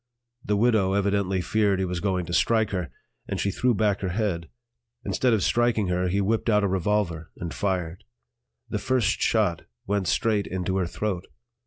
The "widow" evidently feared he was going to strike her, and she threw back her head. Instead of striking her he whipped out a revolver and fired; the first shot went straight into her throat.